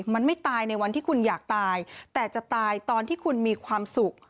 มันไม่ตายในวันที่คุณอยากตายแต่จะตายตอนที่คุณมีความสุข